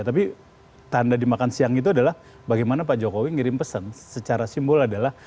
tapi tanda dimakan siang itu adalah bagaimana pak jokowi ngirim pesan secara simbol adalah